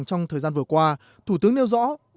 trong thời gian vừa qua thủ tướng nêu rõ